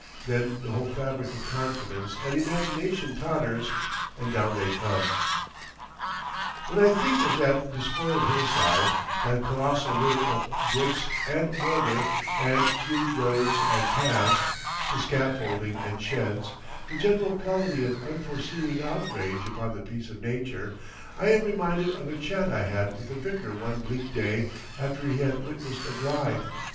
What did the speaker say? Then the whole fabric of confidence and imagination totters—and down they come.... When I think of that despoiled hillside, that colossal litter of bricks and mortar, and crude roads and paths, the scaffolding and sheds, the general quality of unforeseeing outrage upon the peace of nature, I am reminded of a chat I had with the vicar one bleak day after he had witnessed a glide.